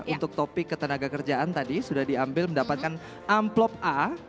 untuk topik ketenaga kerjaan tadi sudah diambil mendapatkan amplop a